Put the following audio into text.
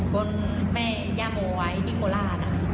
แม่ย่าโมไว้ที่โคราช